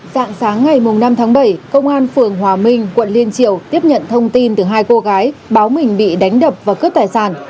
dạng sáng ngày năm tháng bảy công an phường hòa minh quận liên triều tiếp nhận thông tin từ hai cô gái báo mình bị đánh đập và cướp tài sản